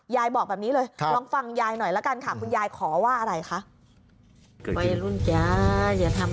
ยายบอกแบบนี้เลยลองฟังยายหน่อยละกันค่ะคุณยายขอว่าอะไรคะ